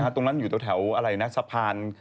ตรงนั้นอยู่แถวแถวสะพาน